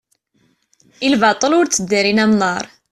i lbaṭel ur tteddarin amnaṛ